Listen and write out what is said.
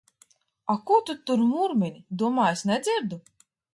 Ar ko tu tur murmini? Domā, es nedzirdu!